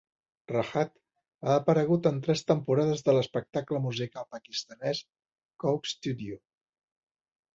Rahat ha aparegut en tres temporades de l'espectacle musical pakistanès "Coke Studio".